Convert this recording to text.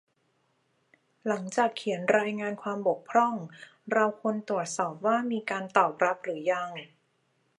หลังจากเขียนรายงานความบกพร่อง เราควรตรวจสอบว่ามีการตอบรับหรือยัง